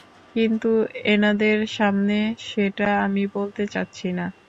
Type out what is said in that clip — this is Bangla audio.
কিন্তু এনাদের সামনে সেটা আমি বলতে চাচ্ছি না।